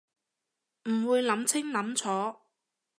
唔會諗清諗楚